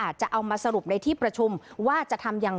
จะเอามาสรุปในที่ประชุมว่าจะทำยังไง